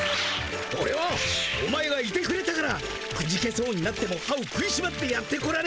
オレはお前がいてくれたからくじけそうになっても歯を食いしばってやってこられたんだ。